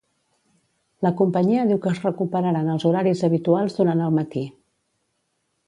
La companyia diu que es recuperaran els horaris habituals durant el matí.